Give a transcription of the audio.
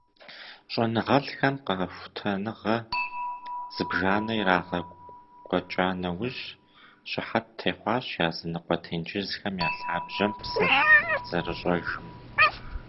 Щӏэныгъэлӏхэм къэхутэныгъэ зыбжанэ ирагъэкӏуэкӏа нэужь, щыхьэт техъуащ языныкъуэ тенджызхэм я лъабжьэм псы зэрыщӏэжым.